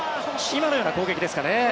今のような攻撃ですかね。